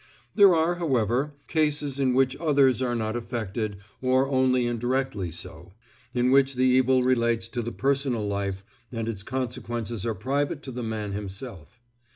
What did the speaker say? There are, however, cases in which others are not affected, or only indirectly so; in which the evil relates to the personal life and its consequences are private to the man himself.